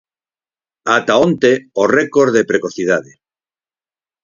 Ata onte o récord de precocidade.